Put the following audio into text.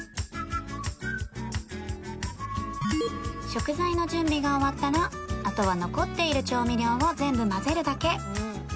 食材の準備が終わったらあとは残っている調味料を全部混ぜるだけ